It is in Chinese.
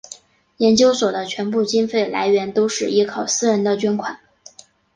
研究所的全部经费来源都是依靠私人的捐款。